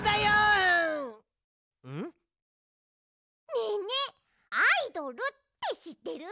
ねえねえアイドルってしってる？